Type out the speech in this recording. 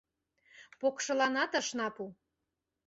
Покшыланат ыжна пу